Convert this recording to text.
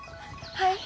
はい。